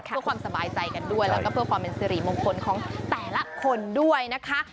เพื่อความสบายใจกันด้วยแล้วก็เพื่อความเป็นสิริมงคลของแต่ละคนด้วยนะคะ